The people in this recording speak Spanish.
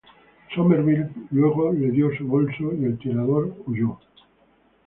Somerville luego le dio su bolso, y el tirador huyó.